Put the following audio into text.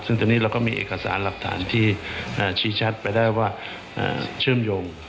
ซึ่งตอนนี้เราก็มีเอกสารหลักฐานที่ชี้ชัดไปได้ว่าเชื่อมโยง